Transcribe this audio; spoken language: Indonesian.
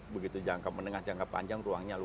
begitu jangka menengah jangka panjang ruangnya